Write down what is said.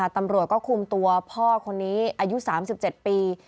ตำรวจก็คุมตัวพ่อคนนี้อายุ๓๗ปี